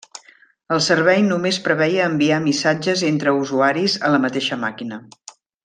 El servei només preveia enviar missatges entre usuaris a la mateixa màquina.